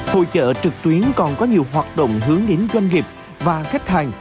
hội trợ trực tuyến còn có nhiều hoạt động hướng đến doanh nghiệp và khách hàng